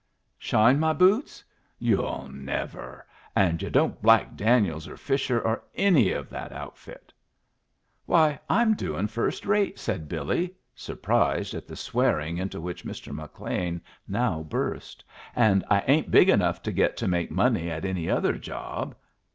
"Shine my boots? Yu'll never! And yu' don't black Daniels or Fisher, or any of the outfit." "Why, I'm doing first rate," said Billy, surprised at the swearing into which Mr. McLean now burst. "An' I ain't big enough to get to make money at any other job."